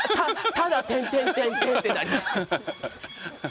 ただってなりました。